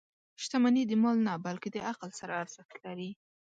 • شتمني د مال نه، بلکې د عقل سره ارزښت لري.